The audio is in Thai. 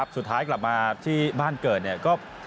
สุดท้ายกลับมาที่บ้านเกิดเนี่ยก็